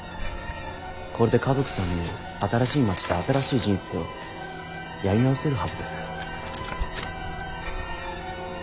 これで家族３人で新しい街で新しい人生をやり直せるはずです。